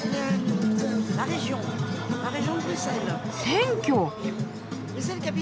選挙。